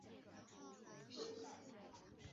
在其他的国家上面排在前二十。